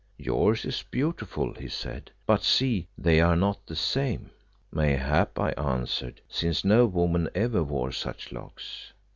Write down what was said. "'Yours is beautiful,' he said, 'but see, they are not the same.' "'Mayhap,' I answered, 'since no woman ever wore such locks.